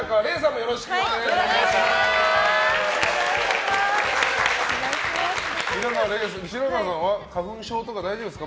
よろしくお願いします。